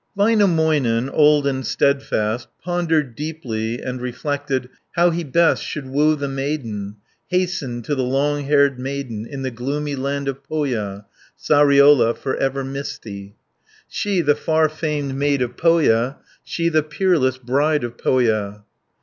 Väinämöinen, old and steadfast, Pondered deeply and reflected How he best should woo the maiden, Hasten to the long haired maiden, In the gloomy land of Pohja, Sariola, for ever misty, She the far famed Maid of Pohja, She the peerless Bride of Pohja.